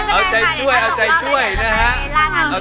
เอาใจช่วยเอาใจช่วยนะฮะ